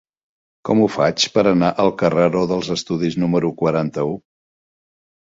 Com ho faig per anar al carreró dels Estudis número quaranta-u?